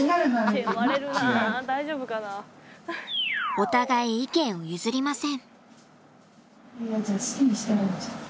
お互い意見を譲りません。